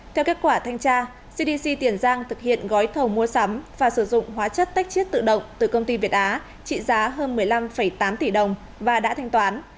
theo kết quả thanh tra cdc tiền giang thực hiện gói thầu mua sắm và sử dụng hóa chất tách chiết tự động từ công ty việt á trị giá hơn một mươi năm tám tỷ đồng và đã thanh toán